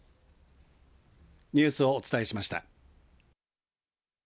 ニュースをお伝えしました。